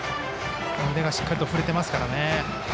腕がしっかり振れていますからね。